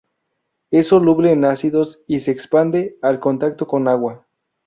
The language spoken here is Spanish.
Es soluble en ácidos y se expande al contacto con agua.